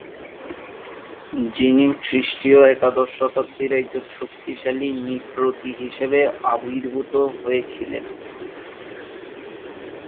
যিনি খ্রিস্টীয় একাদশ শতাব্দির একজন শক্তিশালী নৃপতি হিসেবে আবির্ভুত হয়ে ছিলেন।